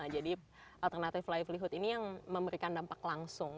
jadi alternatif livelihood ini yang memberikan dampak langsung